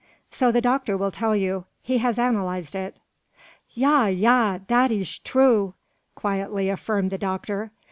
So the doctor will tell you; he has analysed it." "Ya, ya! dat ish true," quietly affirmed the doctor.